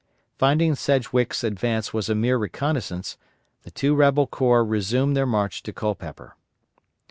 Finding Sedgwick's advance was a mere reconnoissance, the two rebel corps resumed their march to Culpeper.